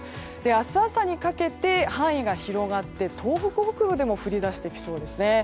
明日朝にかけて、範囲が広がり東北北部でも降り出してきそうです。